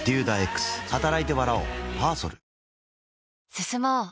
進もう。